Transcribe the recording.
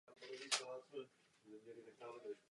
Pak to bylo nemožné.